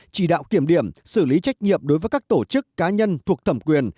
chỉ đạo kiểm điểm xử lý trách nhiệm đối với các tổ chức cá nhân thuộc thẩm quyền